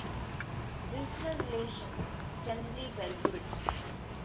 Regional relations generally were good.